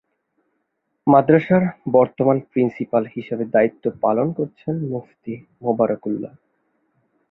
মাদ্রাসার বর্তমান প্রিন্সিপাল হিসেবে দায়িত্ব পালন করছেন মুফতী মুবারক উল্লাহ।